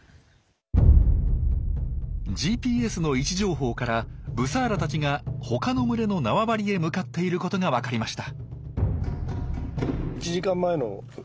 ＧＰＳの位置情報からブサーラたちが他の群れの縄張りへ向かっていることがわかりました。